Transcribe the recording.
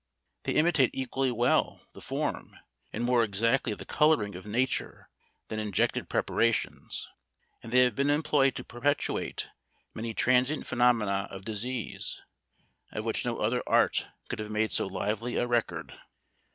They imitate equally well the form, and more exactly the colouring, of nature than injected preparations; and they have been employed to perpetuate many transient phenomena of disease, of which no other art could have made so lively a record.